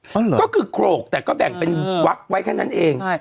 ก็คือโครกแต่แบ่งเป็นวักไว้แค่นั้นเอง